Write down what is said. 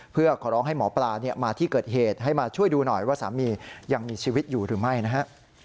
เพื่อขอร้องให้หมอปลามาที่เกิดเหตุให้มาช่วยดูหน่อยว่าสามียังมีชีวิตอยู่หรือไม่นะฮะ